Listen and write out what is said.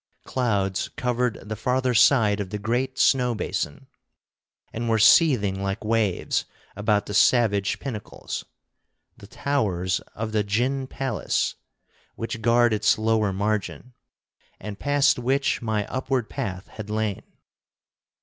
Clouds covered the farther side of the great snow basin, and were seething like waves about the savage pinnacles, the towers of the Jinn palace, which guard its lower margin, and past which my upward path had lain.